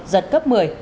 giật cấp một mươi